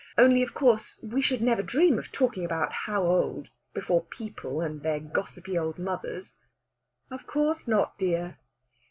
Only, of course, we should never dream of talking about how old before people and their gossipy old mothers." "Of course not, dear!"